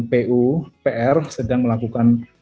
pupr sedang melakukan